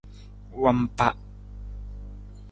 Wamba.